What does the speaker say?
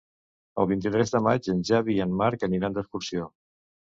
El vint-i-tres de maig en Xavi i en Marc aniran d'excursió.